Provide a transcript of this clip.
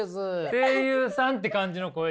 声優さんって感じの声ですよね。